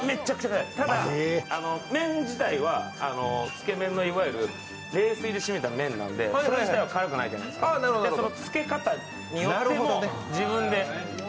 ただ麺自体はつけ麺、冷水でしめた麺なんでそれ自体は辛くないじゃないですか、つけ方によっても自分で。